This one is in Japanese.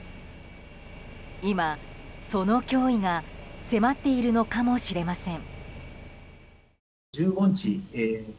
今、その脅威が迫っているのかもしれません。